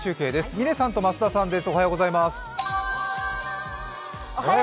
嶺さんと増田さんです。